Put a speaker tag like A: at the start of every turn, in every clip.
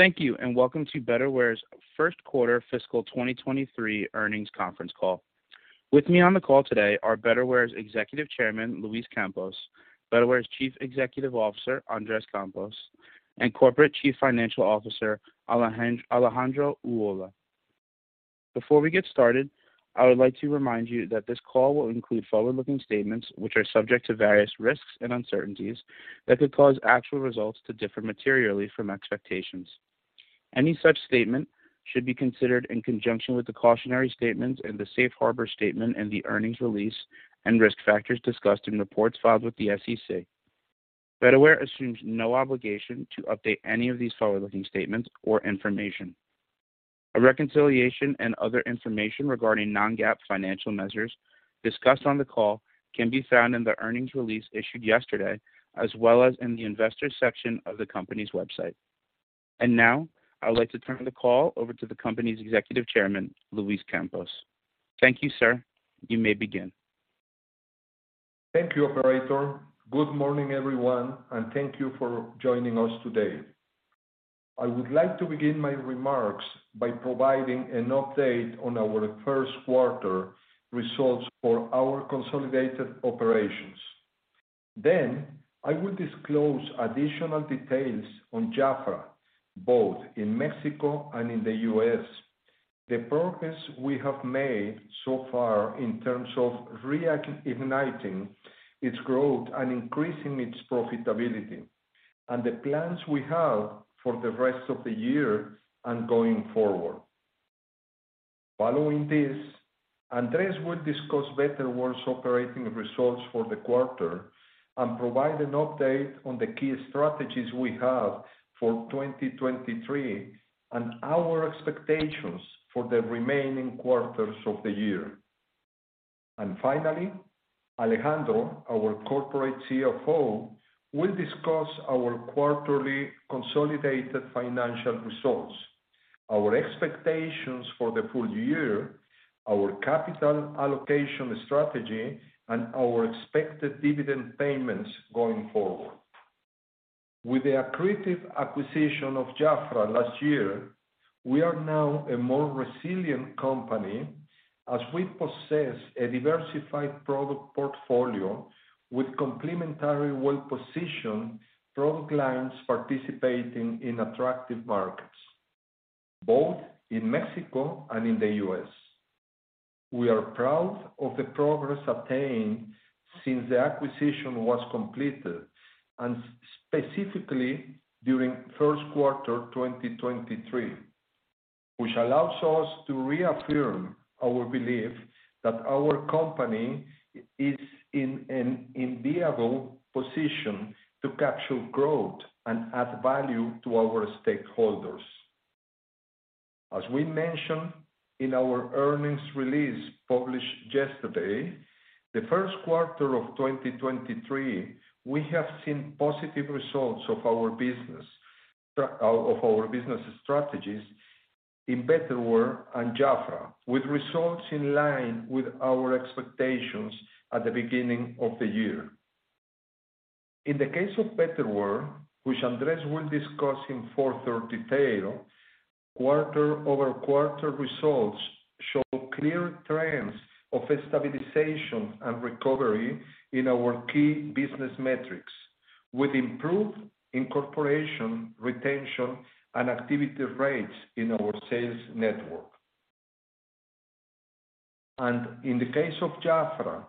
A: Thank you and welcome to Betterware's First Quarter Fiscal 2023 Earnings Conference Call. With me on the call today are Betterware's Executive Chairman, Luis Campos, Betterware's Chief Executive Officer, Andres Campos, and Corporate Chief Financial Officer, Alejandro Ulloa. Before we get started, I would like to remind you that this call will include forward-looking statements which are subject to various risks and uncertainties that could cause actual results to differ materially from expectations. Any such statement should be considered in conjunction with the cautionary statements in the safe harbor statement in the earnings release and risk factors discussed in reports filed with the SEC. Betterware assumes no obligation to update any of these forward-looking statements or information. A reconciliation and other information regarding non-GAAP financial measures discussed on the call can be found in the earnings release issued yesterday as well as in the investors section of the company's website. Now, I would like to turn the call over to the company's Executive Chairman, Luis Campos. Thank you, sir. You may begin.
B: Thank you, operator. Good morning, everyone, and thank you for joining us today. I would like to begin my remarks by providing an update on our first quarter results for our consolidated operations. I will disclose additional details on JAFRA, both in Mexico and in the U.S., the progress we have made so far in terms of reigniting its growth and increasing its profitability, and the plans we have for the rest of the year and going forward. Following this, Andres will discuss Betterware's operating results for the quarter and provide an update on the key strategies we have for 2023 and our expectations for the remaining quarters of the year. Finally, Alejandro, our Corporate CFO, will discuss our quarterly consolidated financial results, our expectations for the full year, our capital allocation strategy, and our expected dividend payments going forward. With the accretive acquisition of JAFRA last year, we are now a more resilient company as we possess a diversified product portfolio with complementary well-positioned product lines participating in attractive markets, both in Mexico and in the U.S. We are proud of the progress obtained since the acquisition was completed and specifically during first quarter 2023, which allows us to reaffirm our belief that our company is in an enviable position to capture growth and add value to our stakeholders. As we mentioned in our earnings release published yesterday, the first quarter of 2023, we have seen positive results of our business strategies in Betterware and JAFRA, with results in line with our expectations at the beginning of the year. In the case of Betterware, which Andres will discuss in further detail, quarter-over-quarter results show clear trends of stabilization and recovery in our key business metrics, with improved incorporation, retention, and activity rates in our sales network. In the case of JAFRA,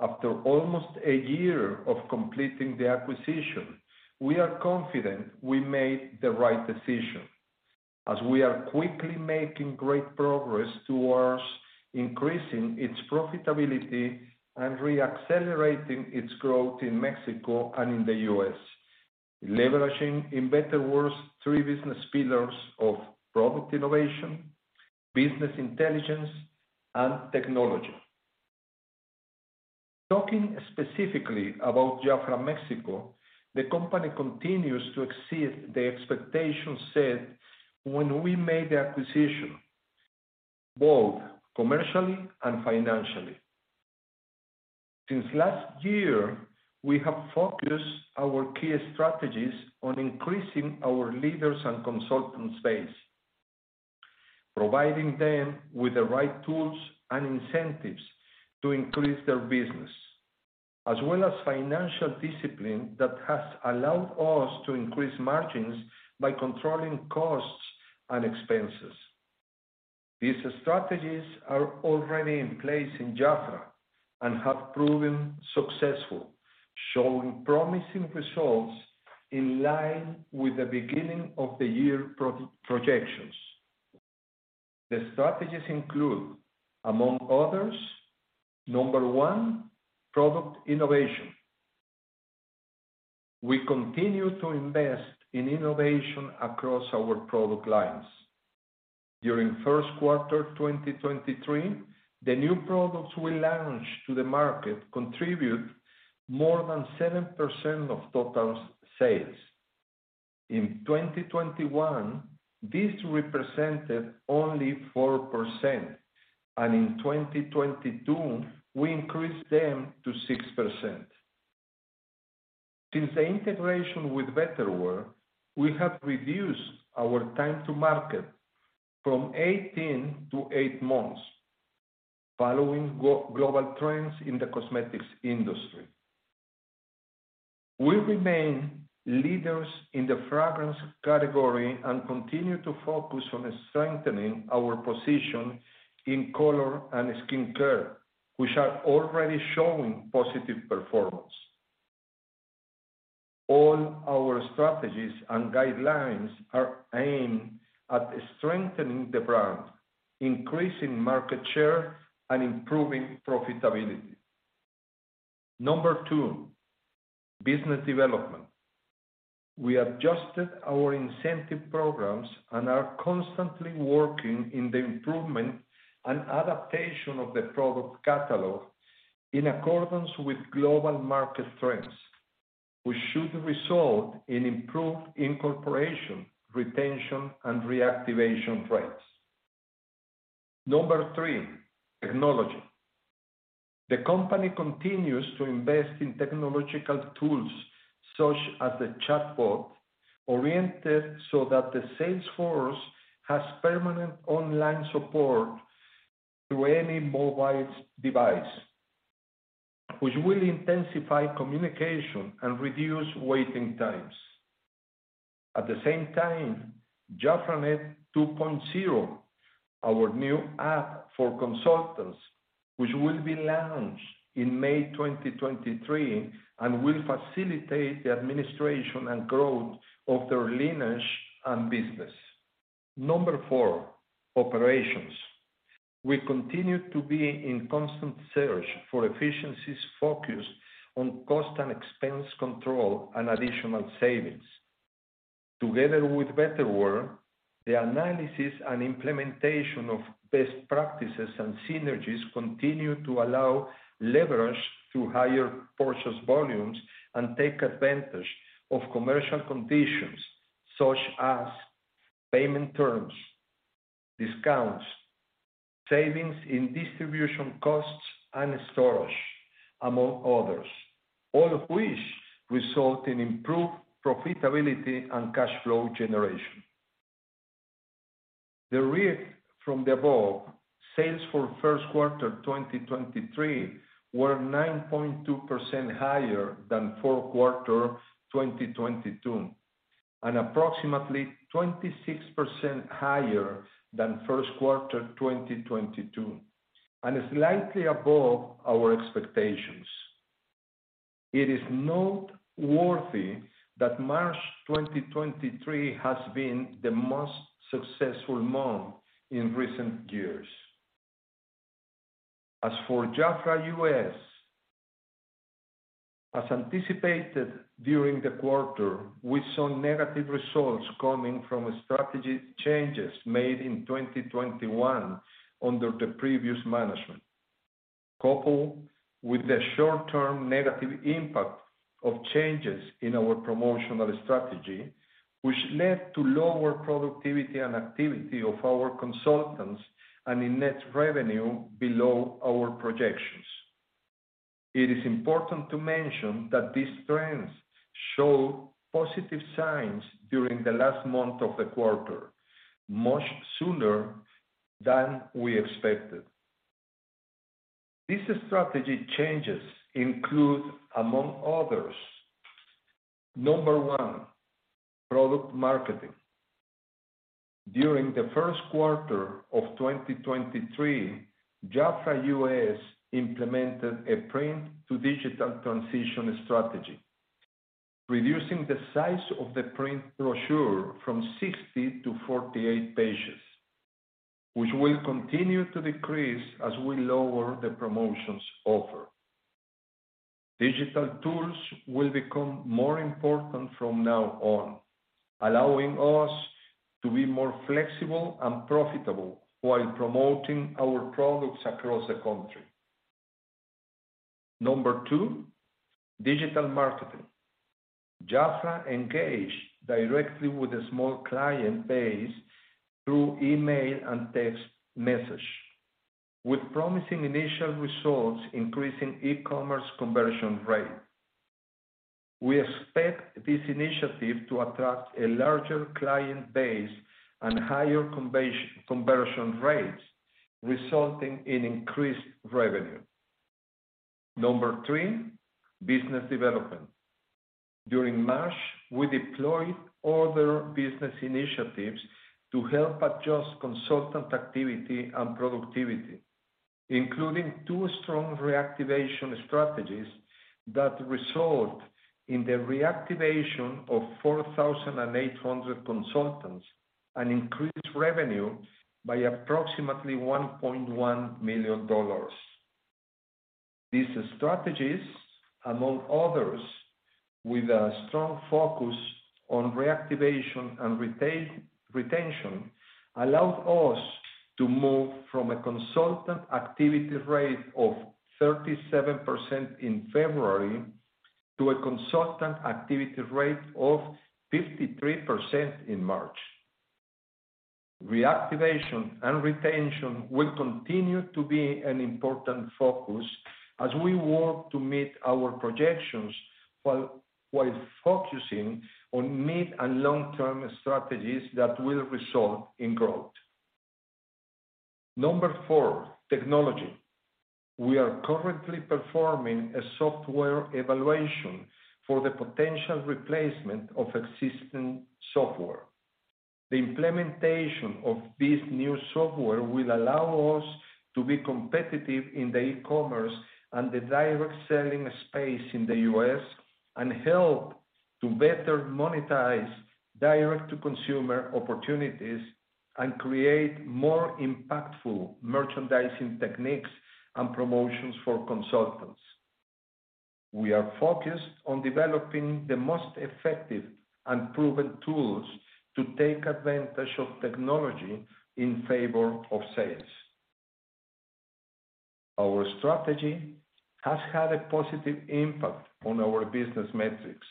B: after almost a year of completing the acquisition, we are confident we made the right decision as we are quickly making great progress towards increasing its profitability and reaccelerating its growth in Mexico and in the U.S., leveraging in Betterware's three business pillars of product innovation, business intelligence, and technology. Talking specifically about JAFRA Mexico, the company continues to exceed the expectations set when we made the acquisition, both commercially and financially. Since last year, we have focused our key strategies on increasing our leaders and consultants base, providing them with the right tools and incentives to increase their business, as well as financial discipline that has allowed us to increase margins by controlling costs and expenses. These strategies are already in place in JAFRA and have proven successful, showing promising results in line with the beginning of the year projections. The strategies include, among others, number one, product innovation. We continue to invest in innovation across our product lines. During first quarter 2023, the new products we launched to the market contribute more than 7% of total sales. In 2021, this represented only 4%, and in 2022, we increased them to 6%. Since the integration with Betterware, we have reduced our time to market from 18 to 8 months following global trends in the cosmetics industry. We remain leaders in the fragrance category and continue to focus on strengthening our position in color and skin care, which are already showing positive performance. All our strategies and guidelines are aimed at strengthening the brand, increasing market share, and improving profitability. Two, business development. We adjusted our incentive programs and are constantly working in the improvement and adaptation of the product catalog in accordance with global market trends, which should result in improved incorporation, retention, and reactivation rates. Three, technology. The company continues to invest in technological tools, such as the chatbot, oriented so that the sales force has permanent online support through any mobile device, which will intensify communication and reduce waiting times. At the same time, JAFRAnet 2.0, our new app for consultants, which will be launched in May 2023 and will facilitate the administration and growth of their lineage and business. Number four, operations. We continue to be in constant search for efficiencies focused on cost and expense control and additional savings. Together with Betterware, the analysis and implementation of best practices and synergies continue to allow leverage through higher purchase volumes and take advantage of commercial conditions such as payment terms, discounts, savings in distribution costs and storage, among others, all of which result in improved profitability and cash flow generation. Derived from the above, sales for first quarter 2023 were 9.2% higher than fourth quarter 2022, and approximately 26% higher than first quarter 2022, and slightly above our expectations. It is noteworthy that March 2023 has been the most successful month in recent years. For JAFRA U.S., as anticipated during the quarter, we saw negative results coming from strategy changes made in 2021 under the previous management, coupled with the short-term negative impact of changes in our promotional strategy, which led to lower productivity and activity of our consultants and in net revenue below our projections. It is important to mention that these trends show positive signs during the last month of the quarter, much sooner than we expected. These strategy changes include, among others: number one, product marketing. During the first quarter of 2023, JAFRA U.S. implemented a print to digital transition strategy, reducing the size of the print brochure from 60 to 48 pages, which will continue to decrease as we lower the promotions offered. Digital tools will become more important from now on, allowing us to be more flexible and profitable while promoting our products across the country. Number two, digital marketing. JAFRA engaged directly with a small client base through email and text message. With promising initial results increasing e-commerce conversion rate, we expect this initiative to attract a larger client base and higher conversion rates, resulting in increased revenue. Number three, business development. During March, we deployed other business initiatives to help adjust consultant activity and productivity, including two strong reactivation strategies that result in the reactivation of 4,800 consultants and increased revenue by approximately $1.1 million. These strategies, among others, with a strong focus on reactivation and retail-retention, allowed us to move from a consultant activity rate of 37% in February to a consultant activity rate of 53% in March. Reactivation and retention will continue to be an important focus as we work to meet our projections while focusing on mid and long-term strategies that will result in growth. Number four, technology. We are currently performing a software evaluation for the potential replacement of existing software. The implementation of this new software will allow us to be competitive in the e-commerce and the direct selling space in the U.S. and help to better monetize direct-to-consumer opportunities and create more impactful merchandising techniques and promotions for consultants. We are focused on developing the most effective and proven tools to take advantage of technology in favor of sales. Our strategy has had a positive impact on our business metrics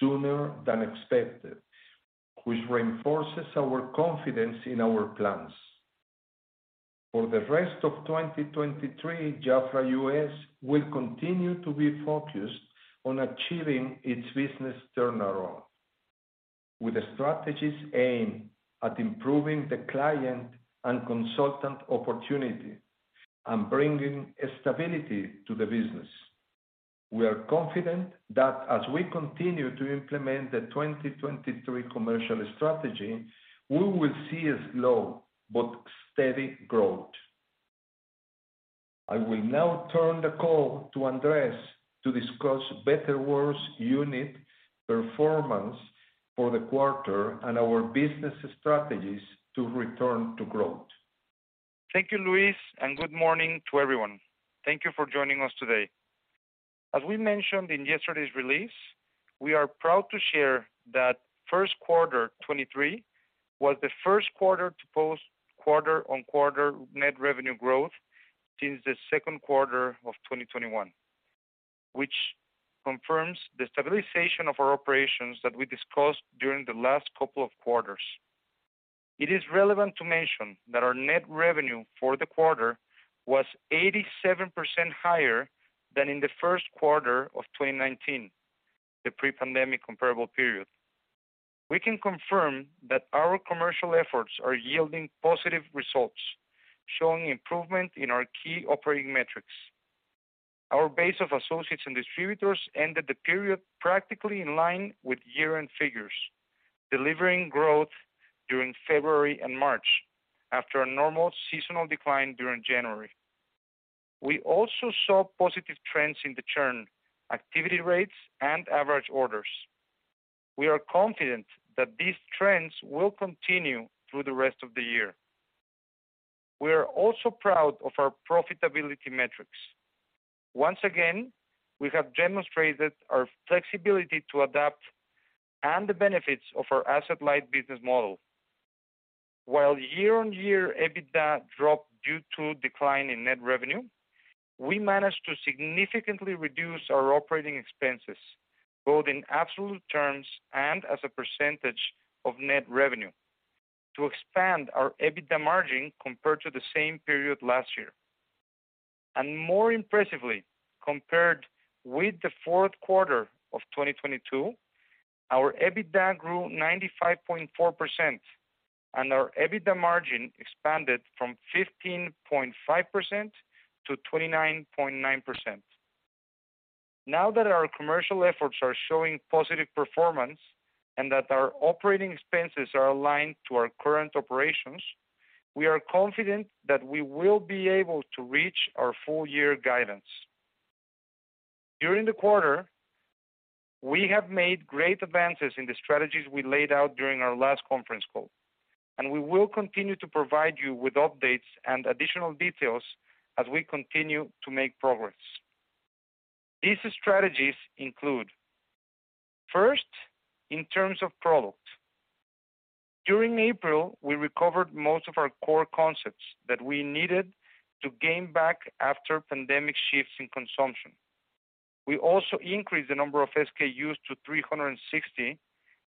B: sooner than expected, which reinforces our confidence in our plans. For the rest of 2023, JAFRA U.S. will continue to be focused on achieving its business turnaround. With a strategies aim at improving the client and consultant opportunity and bringing stability to the business. We are confident that as we continue to implement the 2023 commercial strategy, we will see a slow but steady growth. I will now turn the call to Andres Campos to discuss Betterware's unit performance for the quarter and our business strategies to return to growth.
C: Thank you, Luis. Good morning to everyone. Thank you for joining us today. As we mentioned in yesterday's release, we are proud to share that first quarter 2023 was the first quarter to post quarter-on-quarter net revenue growth since the second quarter of 2021, which confirms the stabilization of our operations that we discussed during the last couple of quarters. It is relevant to mention that our net revenue for the quarter was 87% higher than in the first quarter of 2019, the pre-pandemic comparable period. We can confirm that our commercial efforts are yielding positive results, showing improvement in our key operating metrics. Our base of associates and distributors ended the period practically in line with year-end figures, delivering growth during February and March after a normal seasonal decline during January. We also saw positive trends in the churn, activity rates, and average orders. We are confident that these trends will continue through the rest of the year. We are also proud of our profitability metrics. Once again, we have demonstrated our flexibility to adapt and the benefits of our asset-light business model. While year-on-year EBITDA dropped due to decline in net revenue, we managed to significantly reduce our operating expenses, both in absolute terms and as a percentage of net revenue to expand our EBITDA margin compared to the same period last year. More impressively, compared with the fourth quarter of 2022, our EBITDA grew 95.4% and our EBITDA margin expanded from 15.5% to 29.9%. Now that our commercial efforts are showing positive performance and that our operating expenses are aligned to our current operations, we are confident that we will be able to reach our full year guidance. During the quarter, we have made great advances in the strategies we laid out during our last conference call, and we will continue to provide you with updates and additional details as we continue to make progress. These strategies include, first, in terms of product. During April, we recovered most of our core concepts that we needed to gain back after pandemic shifts in consumption. We also increased the number of SKUs to 360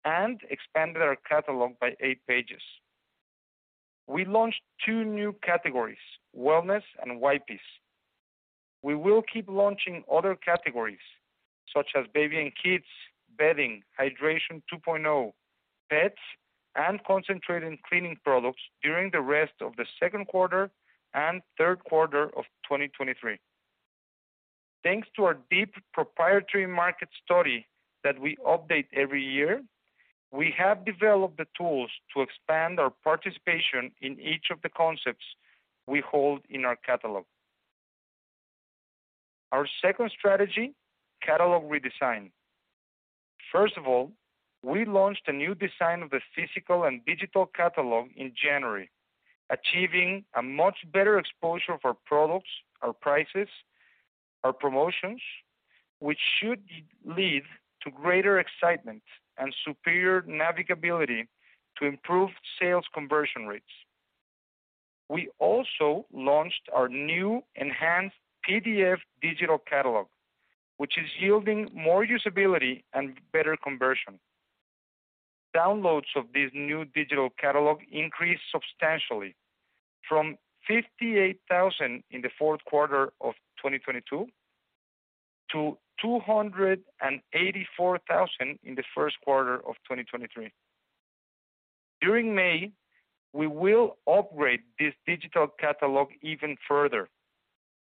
C: and expanded our catalog by eight pages. We launched two new categories, Wellness and Wipes. We will keep launching other categories such as Baby & Kids, bedding, Hydration 2.0, pets, and concentrated cleaning products during the rest of the second quarter and third quarter of 2023. Thanks to our deep proprietary market study that we update every year, we have developed the tools to expand our participation in each of the concepts we hold in our catalog. Our second strategy, catalog redesign. First of all, we launched a new design of the physical and digital catalog in January, achieving a much better exposure for products, our prices, our promotions, which should lead to greater excitement and superior navigability to improve sales conversion rates. We also launched our new enhanced PDF digital catalog, which is yielding more usability and better conversion. Downloads of this new digital catalog increased substantially from 58,000 in the fourth quarter of 2022 to 284,000 in the first quarter of 2023. During May, we will upgrade this digital catalog even further,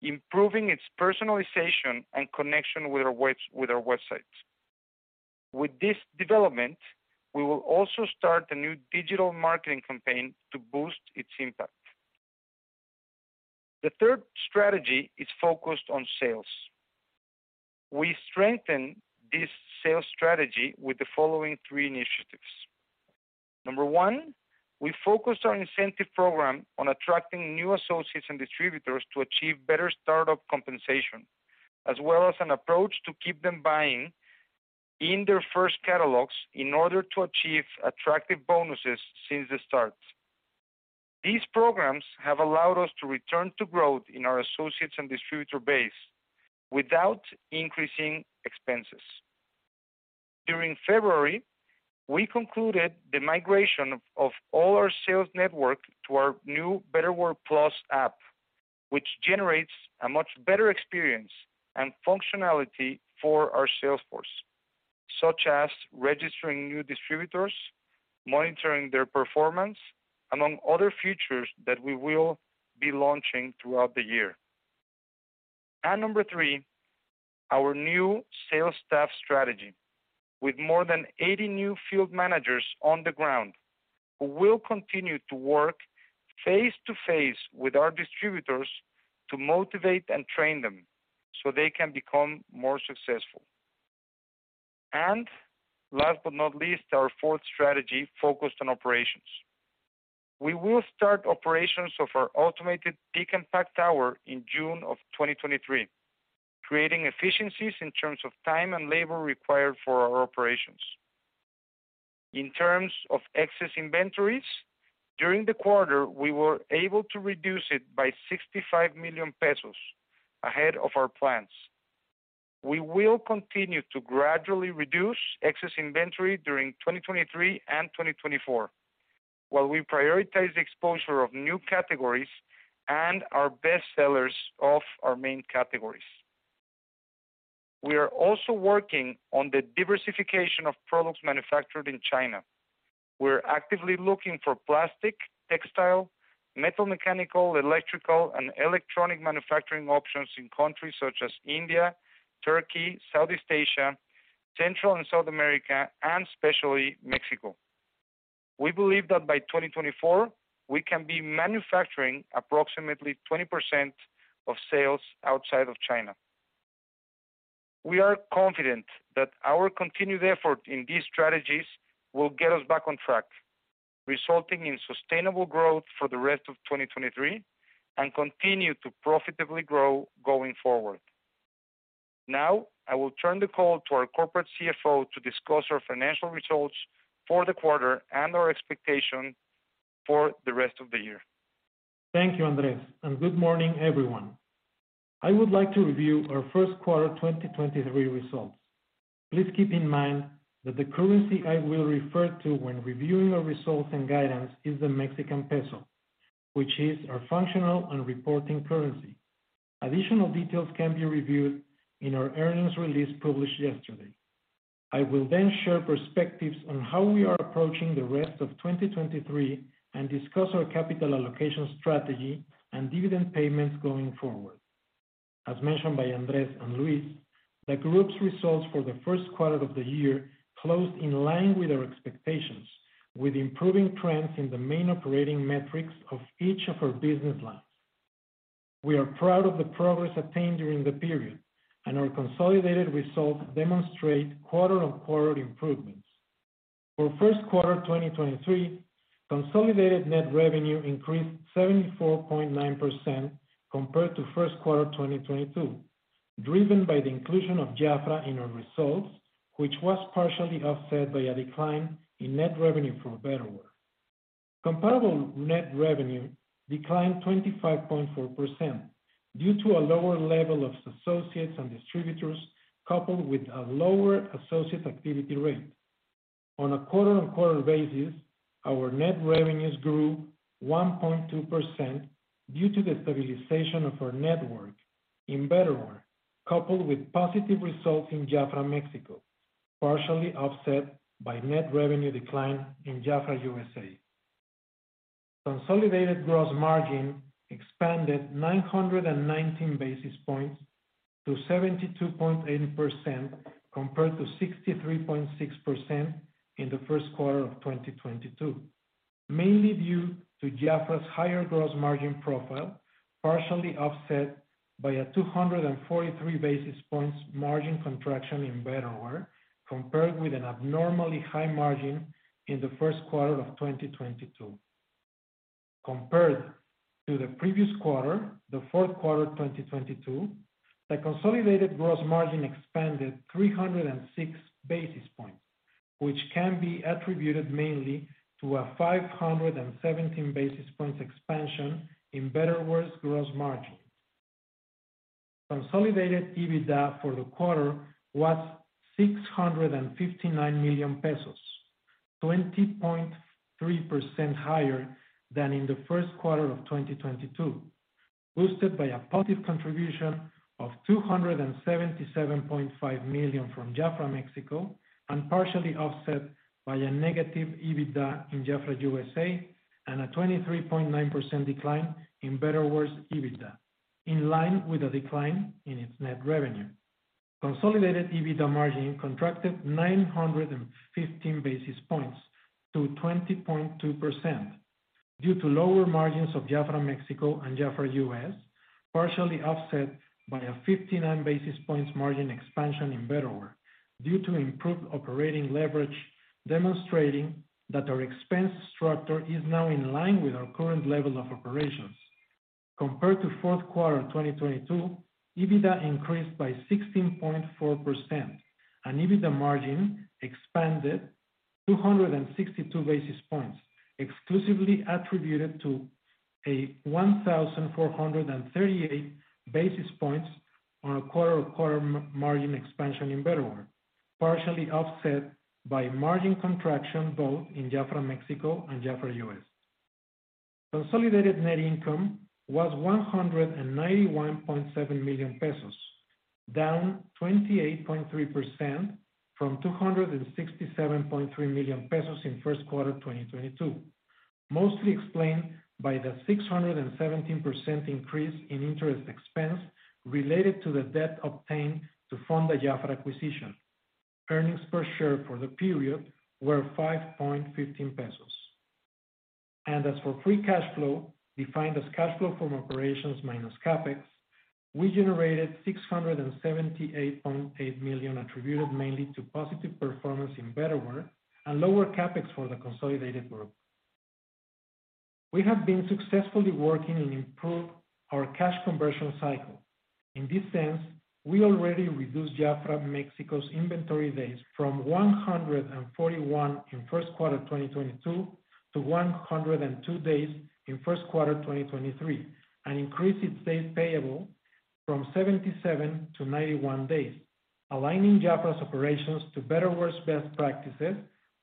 C: improving its personalization and connection with our websites. With this development, we will also start a new digital marketing campaign to boost its impact. The third strategy is focused on sales. We strengthen this sales strategy with the following three initiatives. Number one, we focus our incentive program on attracting new associates and distributors to achieve better start-up compensation, as well as an approach to keep them buying in their first catalogs in order to achieve attractive bonuses since the start. These programs have allowed us to return to growth in our associates and distributor base without increasing expenses. During February, we concluded the migration of all our sales network to our new Betterware+ app, which generates a much better experience and functionality for our sales force, such as registering new distributors, monitoring their performance, among other features that we will be launching throughout the year. Number three, our new sales staff strategy with more than 80 new field managers on the ground who will continue to work face-to-face with our distributors to motivate and train them so they can become more successful. Last but not least, our fourth strategy focused on operations. We will start operations of our automated pick and pack tower in June of 2023, creating efficiencies in terms of time and labor required for our operations. In terms of excess inventories, during the quarter, we were able to reduce it by 65 million pesos ahead of our plans. We will continue to gradually reduce excess inventory during 2023 and 2024, while we prioritize exposure of new categories and our best sellers of our main categories. We are also working on the diversification of products manufactured in China. We're actively looking for plastic, textile, metal, mechanical, electrical, and electronic manufacturing options in countries such as India, Turkey, Southeast Asia, Central and South America, and especially Mexico. We believe that by 2024, we can be manufacturing approximately 20% of sales outside of China. We are confident that our continued effort in these strategies will get us back on track, resulting in sustainable growth for the rest of 2023 and continue to profitably grow going forward. Now, I will turn the call to our Corporate CFO to discuss our financial results for the quarter and our expectation for the rest of the year.
D: Thank you, Andres, and good morning, everyone. I would like to review our first quarter 2023 results. Please keep in mind that the currency I will refer to when reviewing our results and guidance is the Mexican peso, which is our functional and reporting currency. Additional details can be reviewed in our earnings release published yesterday. I will then share perspectives on how we are approaching the rest of 2023 and discuss our capital allocation strategy and dividend payments going forward. As mentioned by Andres and Luis, the group's results for the first quarter of the year closed in line with our expectations, with improving trends in the main operating metrics of each of our business lines. We are proud of the progress attained during the period, and our consolidated results demonstrate quarter-on-quarter improvements. For first quarter 2023, consolidated net revenue increased 74.9% compared to first quarter 2022, driven by the inclusion of JAFRA in our results, which was partially offset by a decline in net revenue from Betterware. Comparable net revenue declined 25.4% due to a lower level of associates and distributors, coupled with a lower associate activity rate. On a quarter-on-quarter basis, our net revenues grew 1.2% due to the stabilization of our network in Betterware, coupled with positive results in JAFRA Mexico, partially offset by net revenue decline in JAFRA USA. Consolidated gross margin expanded 919 basis points to 72.8% compared to 63.6% in the first quarter of 2022, mainly due to JAFRA's higher gross margin profile, partially offset by a 243 basis points margin contraction in Betterware, compared with an abnormally high margin in the first quarter of 2022. Compared to the previous quarter, the fourth quarter 2022, the consolidated gross margin expanded 306 basis points, which can be attributed mainly to a 517 basis points expansion in Betterware's gross margin. Consolidated EBITDA for the quarter was 659 million pesos, 20.3% higher than in the first quarter of 2022, boosted by a positive contribution of 277.5 million from JAFRA Mexico, and partially offset by a negative EBITDA in JAFRA USA and a 23.9% decline in Betterware's EBITDA, in line with a decline in its net revenue. Consolidated EBITDA margin contracted 915 basis points to 20.2% due to lower margins of JAFRA Mexico and JAFRA US, partially offset by a 59 basis points margin expansion in Betterware due to improved operating leverage, demonstrating that our expense structure is now in line with our current level of operations. Compared to fourth quarter 2022, EBITDA increased by 16.4%, and EBITDA margin expanded 262 basis points, exclusively attributed to a 1,438 basis points on a quarter-over-quarter margin expansion in Betterware, partially offset by margin contraction both in JAFRA Mexico and JAFRA U.S. Consolidated net income was 191.7 million pesos, down 28.3% from 267.3 million pesos in first quarter 2022, mostly explained by the 617% increase in interest expense related to the debt obtained to fund the JAFRA acquisition. Earnings per share for the period were 5.15 pesos. As for free cash flow, defined as cash flow from operations minus CapEx, we generated 678.8 million, attributed mainly to positive performance in Betterware and lower CapEx for the consolidated group. We have been successfully working and improve our cash conversion cycle. In this sense, we already reduced JAFRA Mexico's inventory days from 141 in first quarter 2022 to 102 days in first quarter 2023, and increased its days payable from 77 to 91 days, aligning JAFRA's operations to Betterware's best practices,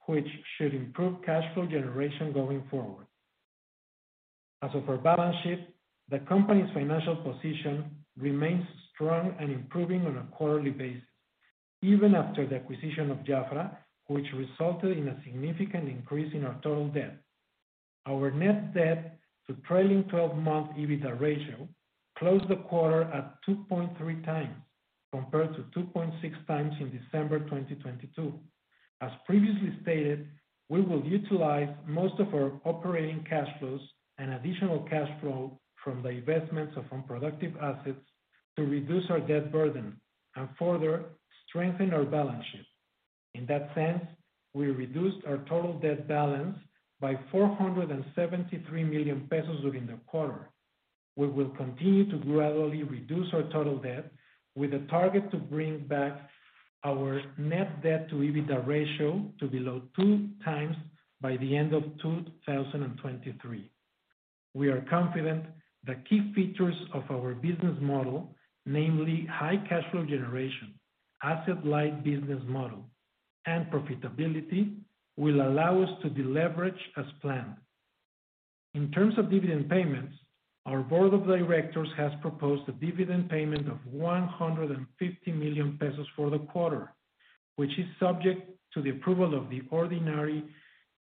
D: which should improve cash flow generation going forward. As of our balance sheet, the company's financial position remains strong and improving on a quarterly basis, even after the acquisition of JAFRA, which resulted in a significant increase in our total debt. Our net debt to trailing 12-month EBITDA ratio closed the quarter at 2.3 times compared to 2.6 times in December 2022. As previously stated, we will utilize most of our operating cash flows and additional cash flow from the investments of unproductive assets to reduce our debt burden and further strengthen our balance sheet. In that sense, we reduced our total debt balance by 473 million pesos within the quarter. We will continue to gradually reduce our total debt with a target to bring back our net debt to EBITDA ratio to below 2 times by the end of 2023. We are confident the key features of our business model, namely high cash flow generation, asset-light business model, and profitability, will allow us to deleverage as planned. In terms of dividend payments, our board of directors has proposed a dividend payment of 150 million pesos for the quarter, which is subject to the approval of the ordinary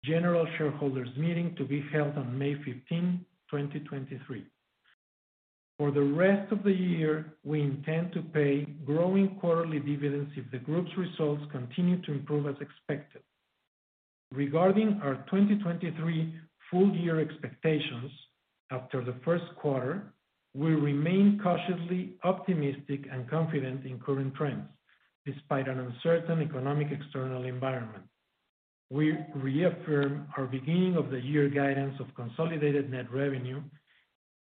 D: general shareholders' meeting to be held on May 15, 2023. For the rest of the year, we intend to pay growing quarterly dividends if the group's results continue to improve as expected. Regarding our 2023 full year expectations after the first quarter, we remain cautiously optimistic and confident in current trends despite an uncertain economic external environment. We reaffirm our beginning of the year guidance of consolidated net revenue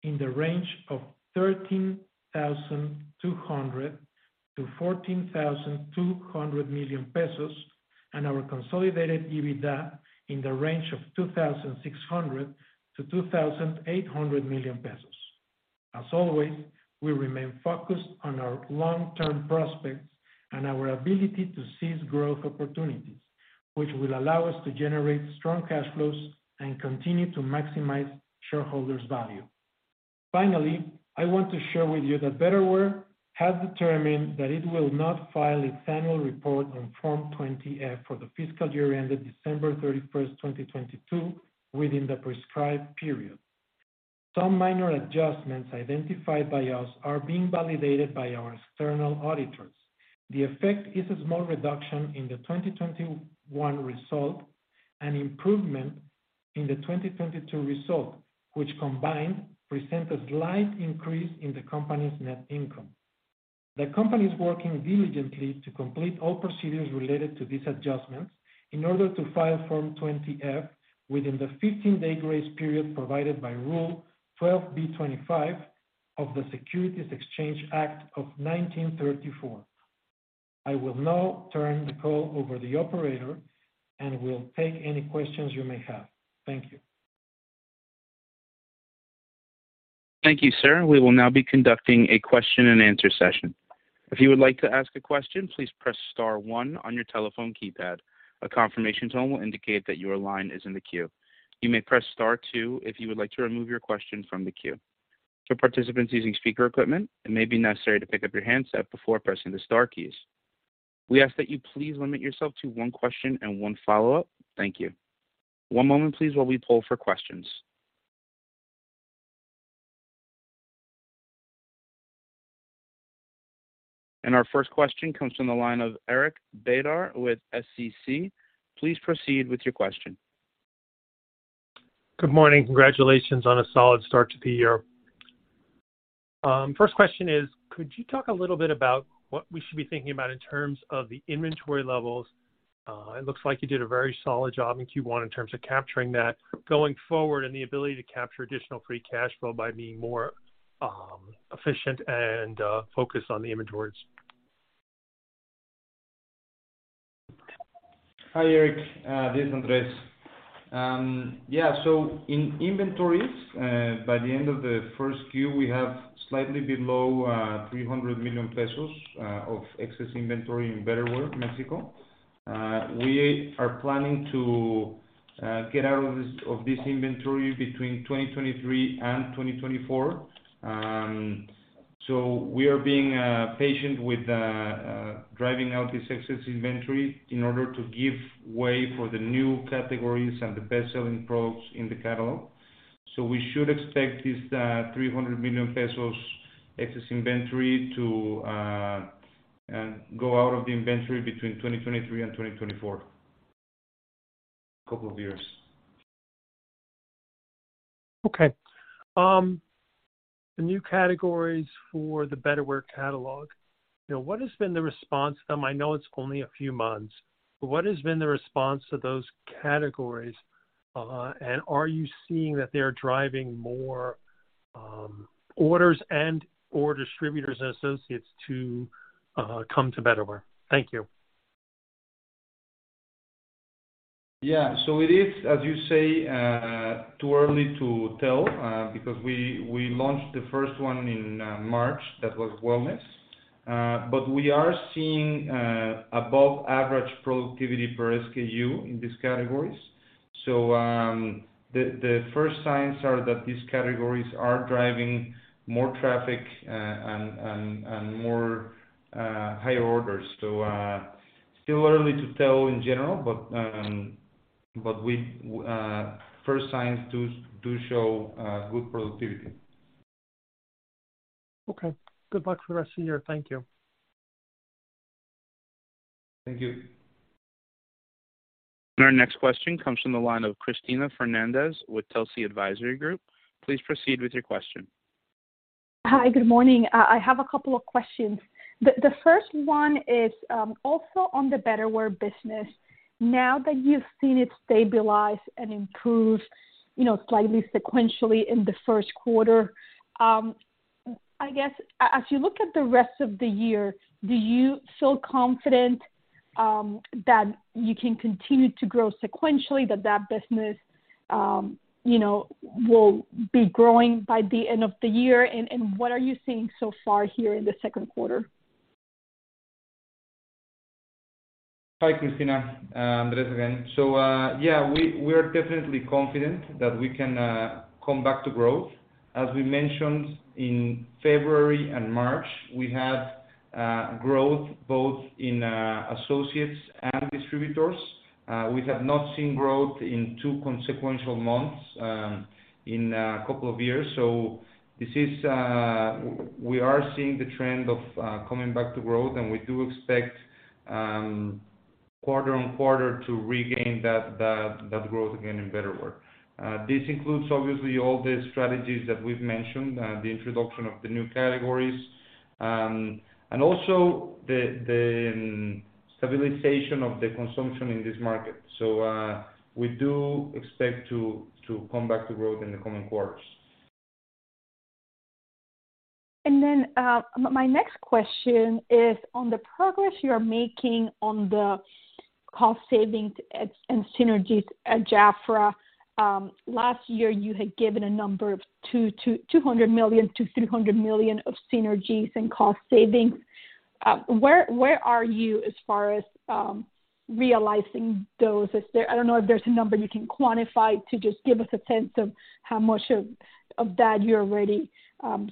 D: in the range of 13,200 million-14,200 million pesos and our consolidated EBITDA in the range of 2,600 million-2,800 million pesos. As always, we remain focused on our long-term prospects and our ability to seize growth opportunities, which will allow us to generate strong cash flows and continue to maximize shareholders' value. Finally, I want to share with you that Betterware has determined that it will not file its annual report on Form 20-F for the fiscal year ended December 31, 2022, within the prescribed period. Some minor adjustments identified by us are being validated by our external auditors. The effect is a small reduction in the 2021 result and improvement in the 2022 result, which combined present a slight increase in the company's net income. The company is working diligently to complete all procedures related to these adjustments in order to file Form 20-F within the 15-day grace period provided by Rule 12b-25.
C: Of the Securities Exchange Act of 1934. I will now turn the call over the operator, and we'll take any questions you may have. Thank you.
A: Thank you, sir. We will now be conducting a question-and-answer session. If you would like to ask a question, please press star one on your telephone keypad. A confirmation tone will indicate that your line is in the queue. You may press star two if you would like to remove your question from the queue. For participants using speaker equipment, it may be necessary to pick up your handset before pressing the star keys. We ask that you please limit yourself to one question and one follow-up. Thank you. One moment, please, while we poll for questions. Our first question comes from the line of Eric Beder with SCC. Please proceed with your question.
E: Good morning. Congratulations on a solid start to the year. First question is, could you talk a little bit about what we should be thinking about in terms of the inventory levels? It looks like you did a very solid job in Q1 in terms of capturing that going forward and the ability to capture additional free cash flow by being more efficient and focused on the image orders.
C: Hi, Eric. This is Andres. In inventories, by the end of the Q1, we have slightly below 300 million pesos of excess inventory in Betterware Mexico. We are planning to get out of this inventory between 2023 and 2024. We are being patient with driving out this excess inventory in order to give way for the new categories and the best-selling products in the catalog. We should expect this 300 million pesos excess inventory to go out of the inventory between 2023 and 2024. Couple of years.
E: Okay. The new categories for the Betterware catalog. You know, what has been the response to them? I know it's only a few months, but what has been the response to those categories? Are you seeing that they are driving more orders and or distributors and associates to come to Betterware? Thank you.
C: Yeah. It is, as you say, too early to tell, because we launched the first one in March, that was Wellness. We are seeing above average productivity per SKU in these categories. The first signs are that these categories are driving more traffic, and more, higher orders. Still early to tell in general, but we, first signs do show, good productivity.
E: Okay. Good luck for the rest of the year. Thank you.
C: Thank you.
A: Our next question comes from the line of Cristina Fernández with Telsey Advisory Group. Please proceed with your question.
F: Hi. Good morning. I have a couple of questions. The first one is also on the Betterware business. Now that you've seen it stabilize and improve, you know, slightly sequentially in the first quarter, I guess as you look at the rest of the year, do you feel confident that you can continue to grow sequentially that business, you know, will be growing by the end of the year? What are you seeing so far here in the second quarter?
C: Hi, Cristina. Andres again. We're definitely confident that we can come back to growth. As we mentioned in February and March, we have growth both in associates and distributors. We have not seen growth in two consequential months in a couple of years. This is. We are seeing the trend of coming back to growth, and we do expect quarter-on-quarter to regain that growth again in Betterware. This includes obviously all the strategies that we've mentioned, the introduction of the new categories, and also the stabilization of the consumption in this market. We do expect to come back to growth in the coming quarters.
F: My next question is on the progress you are making on the cost savings and synergies at JAFRA. Last year you had given a number of 200 million-300 million of synergies and cost savings. Where are you as far as realizing those? I don't know if there's a number you can quantify to just give us a sense of how much of that you're already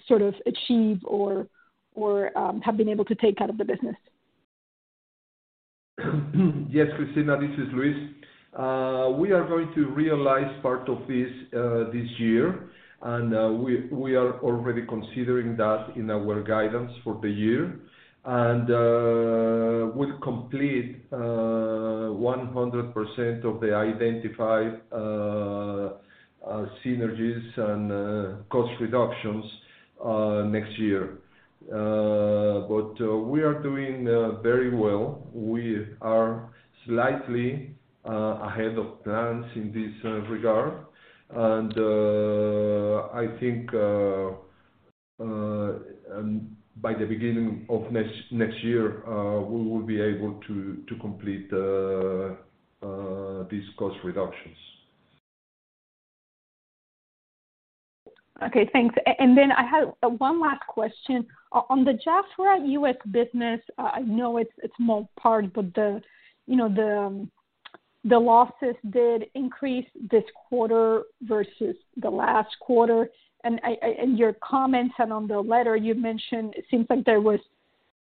F: sort of achieved or have been able to take out of the business.
B: Yes, Cristina, this is Luis. We are going to realize part of this this year, and we are already considering that in our guidance for the year. We'll complete 100% of the identified synergies and cost reductions next year. We are doing very well. We are slightly ahead of plans in this regard. I think by the beginning of next year, we will be able to complete these cost reductions.
F: Okay, thanks. Then I had one last question. On the JAFRA U.S. business, I know it's small part, but the, you know, the losses did increase this quarter versus the last quarter. In your comments and on the letter you mentioned, it seems like there was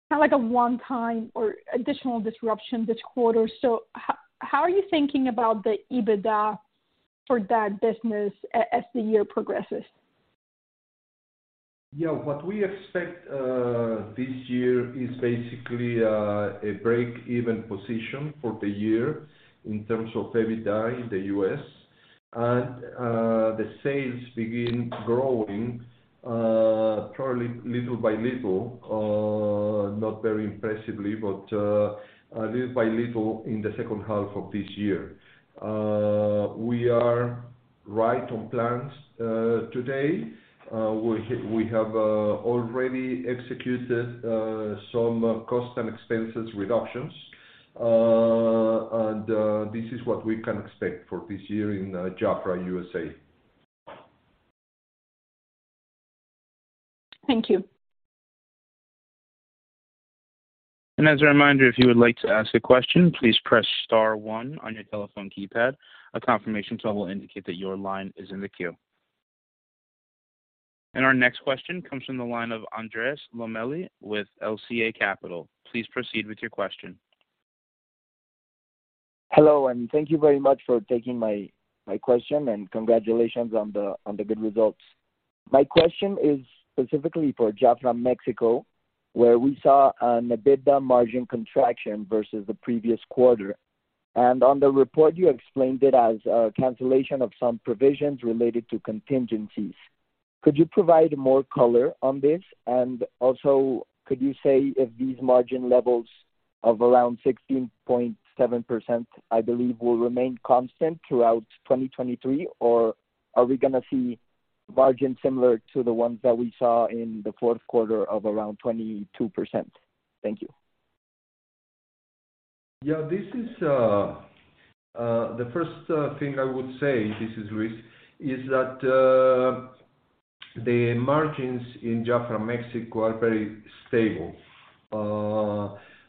F: kinda like a one-time or additional disruption this quarter. How are you thinking about the EBITDA for that business as the year progresses?
B: We expect this year is basically a break-even position for the year in terms of EBITDA in the U.S. The sales begin growing probably little by little, not very impressively, but little by little in the second half of this year. We are right on plans today. We have already executed some cost and expenses reductions. This is what we can expect for this year in JAFRA USA.
F: Thank you.
A: As a reminder, if you would like to ask a question, please press star 1 on your telephone keypad. A confirmation tone will indicate that your line is in the queue. Our next question comes from the line of Andres Lomeli with LCA Capital. Please proceed with your question.
G: Hello, and thank you very much for taking my question, and congratulations on the good results. My question is specifically for JAFRA Mexico, where we saw an EBITDA margin contraction versus the previous quarter. On the report you explained it as a cancellation of some provisions related to contingencies. Could you provide more color on this? Also could you say if these margin levels of around 16.7%, I believe, will remain constant throughout 2023, or are we gonna see margins similar to the ones that we saw in the fourth quarter of around 22%? Thank you.
B: Yeah. This is the first thing I would say, this is Luis, is that the margins in JAFRA Mexico are very stable,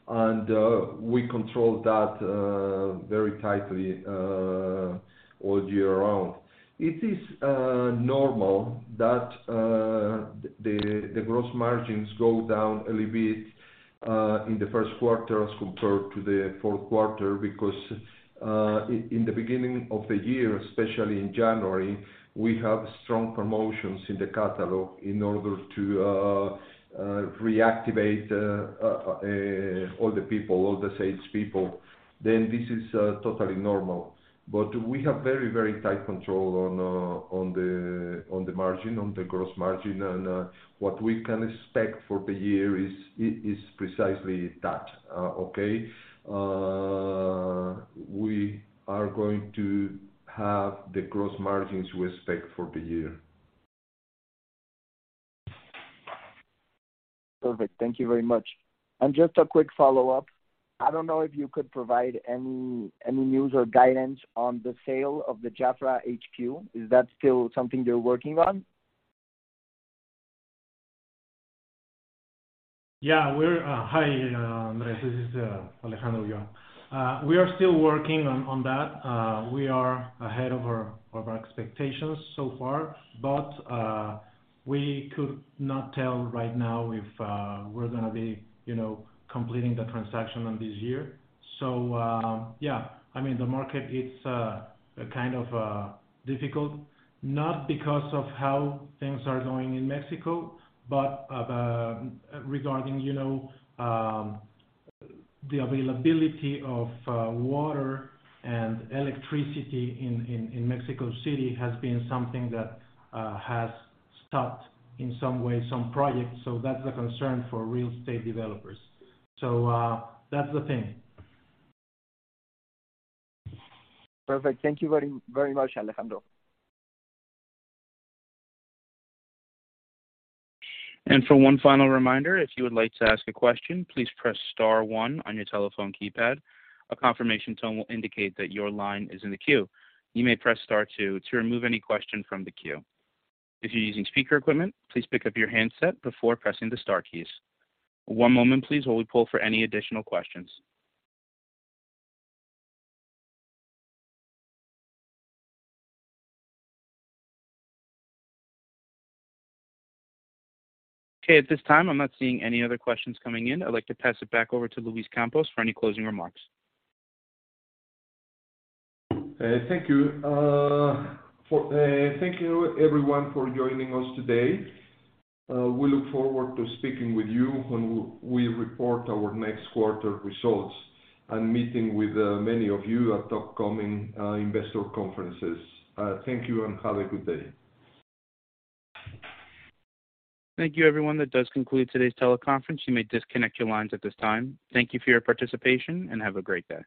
B: and we control that very tightly all year round. It is normal that the gross margins go down a little bit in the first quarter as compared to the fourth quarter because in the beginning of the year, especially in January, we have strong promotions in the catalog in order to reactivate all the people, all the sales people. This is totally normal. We have very, very tight control on the margin, on the gross margin. What we can expect for the year is precisely that. Okay? We are going to have the gross margins we expect for the year.
G: Perfect. Thank you very much. Just a quick follow-up. I don't know if you could provide any news or guidance on the sale of the JAFRA HQ. Is that still something you're working on?
D: Yeah. Hi, Andres. This is Alejandro Ulloa. We are still working on that. We are ahead of our expectations so far, but we could not tell right now if we're gonna be, you know, completing the transaction on this year. Yeah, I mean, the market is kind of difficult, not because of how things are going in Mexico, but regarding, you know, the availability of water and electricity in Mexico City has been something that has stopped in some way some projects. That's a concern for real estate developers. That's the thing.
G: Perfect. Thank you very, very much, Alejandro.
A: For one final reminder, if you would like to ask a question, please press star one on your telephone keypad. A confirmation tone will indicate that your line is in the queue. You may press star two to remove any question from the queue. If you're using speaker equipment, please pick up your handset before pressing the star keys. One moment, please, while we pull for any additional questions. Okay, at this time, I'm not seeing any other questions coming in. I'd like to pass it back over to Luis Campos for any closing remarks.
B: Thank you. Thank you everyone for joining us today. We look forward to speaking with you when we report our next quarter results and meeting with many of you at upcoming investor conferences. Thank you and have a good day.
A: Thank you everyone. That does conclude today's teleconference. You may disconnect your lines at this time. Thank you for your participation, and have a great day.